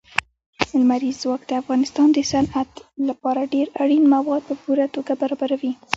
لمریز ځواک د افغانستان د صنعت لپاره ډېر اړین مواد په پوره توګه برابروي.